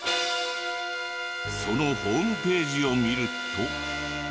そのホームページを見ると。